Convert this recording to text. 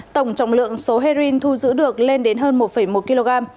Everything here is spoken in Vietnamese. tổng trọng lượng số heroin thu giữ được lên đến hơn một một kg